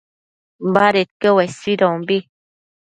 badedquio uesuidombi